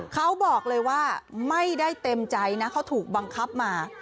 เขาบอกเลยว่าไม่ได้เต็มใจนะเขาถูกบังคับมา